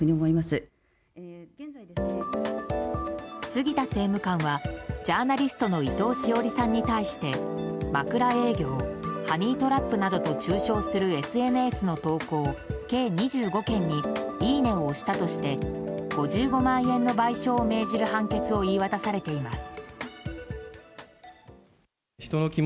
杉田政務官はジャーナリストの伊藤詩織さんに対して枕営業、ハニートラップなどと中傷するＳＮＳの投稿計２５件にいいねを押したとして５５万円の賠償を命じる判決を言い渡されています。